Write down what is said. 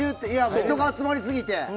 人が集まりすぎて。